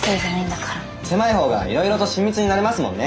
狭い方がいろいろと親密になれますもんね。